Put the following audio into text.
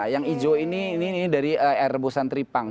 yang ijo ini dari air rebusan tripang